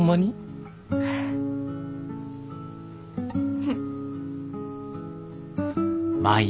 うん。